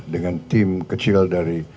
dengan tim kecil dari